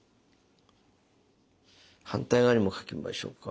反対側にも書きましょうか。